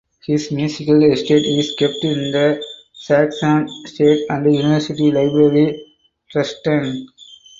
His musical estate is kept in the Saxon State and University Library Dresden.